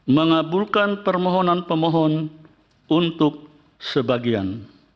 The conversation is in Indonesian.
mengabulkan permohonan pemohon untuk sebagian